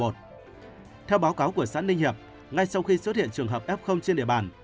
theo báo cáo của xã ninh hiệp ngay sau khi xuất hiện trường hợp f trên địa bàn